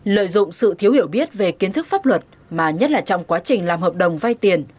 lợi dụng sự thiếu hiểu biết về kiến thức pháp luật mà nhất là trong quá trình làm hợp đồng vay tiền